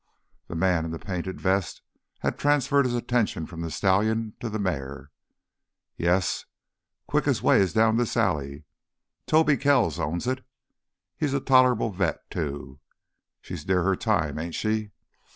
The man in the painted vest had transferred his attention from stallion to mare. "Yes. Quickest way is down this alley. Tobe Kells owns it. He's a tolerable vet, too. She's near her time, ain't she?"